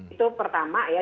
itu pertama ya